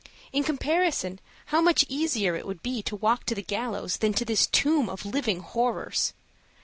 In comparison, how much easier it would be to walk to the gallows than to this tomb of living horrors!